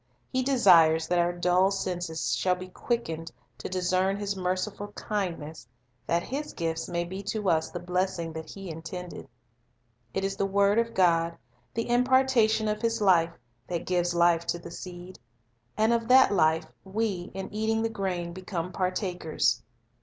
He desires that our dull senses shall be quick ened to discern His merciful kindness, that His gifts may be to us the blessing that He intended. It is the word of God, the impartation of His life, partakers that gives life to the seed; and of that life, we, in eating Life of God the grain, become partakers.